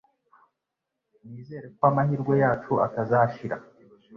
Nizere ko amahirwe yacu atazashira